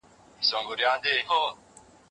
د حق پلویان تل په دنیا کي سرلوړي دي.